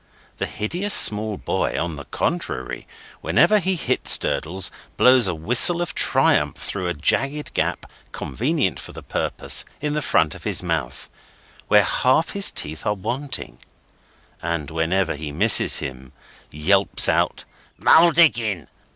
The hideous small boy, on the contrary, whenever he hits Durdles, blows a whistle of triumph through a jagged gap, convenient for the purpose, in the front of his mouth, where half his teeth are wanting; and whenever he misses him, yelps out "Mulled agin!"